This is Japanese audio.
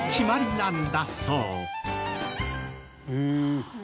へえ。